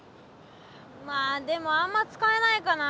まあでもあんま使えないかな。